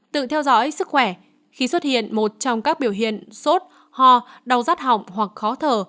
tự theo dõi sức khỏe khi xuất hiện một trong các biểu hiện sốt ho đau rắt họng hoặc khó thở